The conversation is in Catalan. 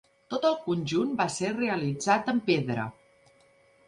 Tot el conjunt va ser realitzat en pedra.